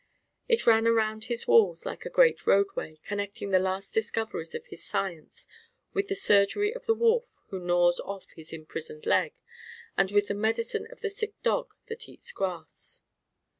It ran around his walls like a great roadway, connecting the last discoveries of his Science with the surgery of the wolf who gnaws off his imprisoned leg and with the medicine of the sick dog that eats grass.